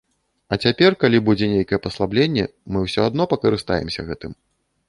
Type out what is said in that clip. А цяпер, калі будзе нейкае паслабленне, мы ўсё адно пакарыстаемся гэтым.